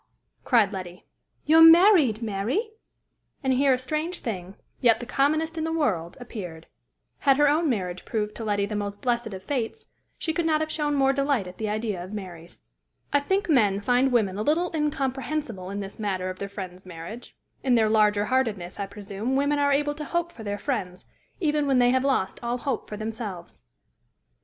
cried Letty; "you're married, Mary?" And here a strange thing, yet the commonest in the world, appeared; had her own marriage proved to Letty the most blessed of fates, she could not have shown more delight at the idea of Mary's. I think men find women a little incomprehensible in this matter of their friends' marriage: in their largerheartedness, I presume, women are able to hope for their friends, even when they have lost all hope for themselves.